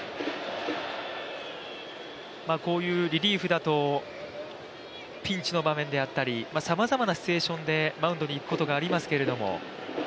こういうリリーフだとピンチの場面であったりさまざまなシチュエーションでマウンドに行くことがありますけれども。